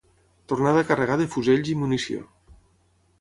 Tornada a carregar de fusells i munició.